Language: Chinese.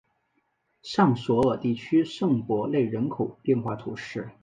尚索尔地区圣博内人口变化图示